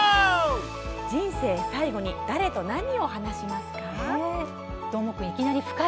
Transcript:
「人生最後に誰と何を話しますか？」